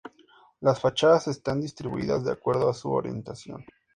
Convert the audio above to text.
Las fachadas están distribuidas de acuerdo a su orientación.